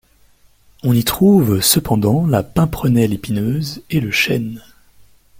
On y trouve cependant la pimprenelle épineuse et le chêne.